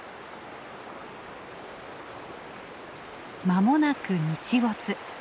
まもなく日没。